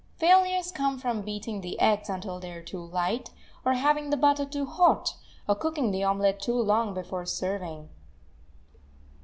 Failures come from beating the eggs until they are too light, or having the butter too hot, or cooking the omelet too long before serving.